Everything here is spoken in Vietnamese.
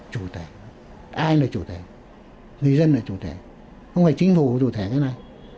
chủ thể ai là chủ thể người dân là chủ thể không phải chính phủ chủ thể cái này